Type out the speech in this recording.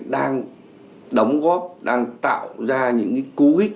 đang đóng góp đang tạo ra những cú hích